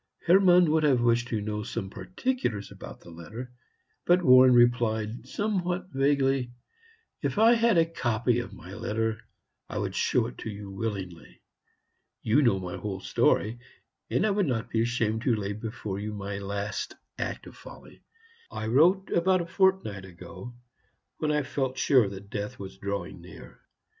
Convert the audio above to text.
Hermann would have wished to know some particulars about this letter; but Warren replied, somewhat vaguely, "If I had a copy of my letter, I would show it to you willingly. You know my whole story, and I would not be ashamed to lay before you my last act of folly. I wrote about a fortnight ago, when I felt sure that death was drawing near.